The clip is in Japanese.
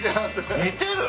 似てる？